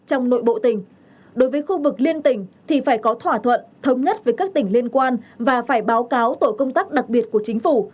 trong nội bộ tỉnh đối với khu vực liên tỉnh thì phải có thỏa thuận thống nhất với các tỉnh liên quan và phải báo cáo tội công tác đặc biệt của chính phủ